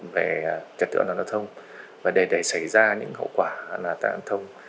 về trật tự an toàn giao thông và để xảy ra những hậu quả tai nạn giao thông